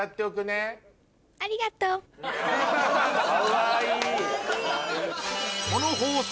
かわいい！